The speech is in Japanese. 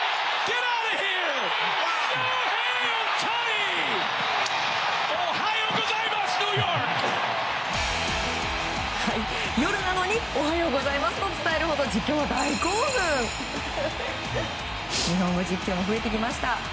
日本語実況も増えてきました。